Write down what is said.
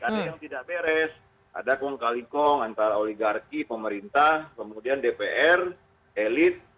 ada yang tidak beres ada kong kali kong antara oligarki pemerintah kemudian dpr elit